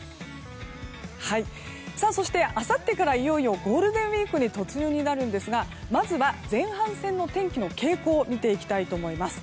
そして、あさってからいよいよゴールデンウィークに突入になるんですがまずは前半戦の天気の傾向を見ていきたいと思います。